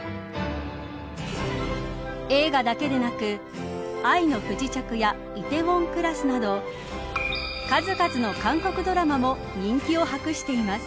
映画だけでなく愛の不時着や梨泰院クラスなど数々の韓国ドラマも人気を博しています。